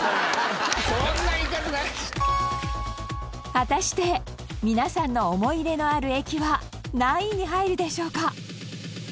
果たして皆さんの思い入れのある駅は何位に入るでしょうか？